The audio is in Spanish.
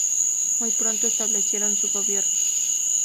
Muy pronto, establecieron su gobierno.